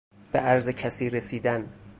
بعرض کسی رسیدن